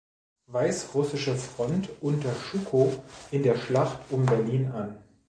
Weißrussische Front unter Schukow in der Schlacht um Berlin an.